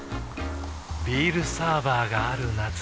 ビールサーバーがある夏。